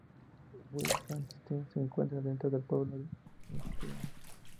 West Hempstead se encuentra dentro del pueblo de Hempstead.